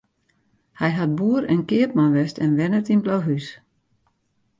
Hy hat boer en keapman west en wennet yn Blauhús.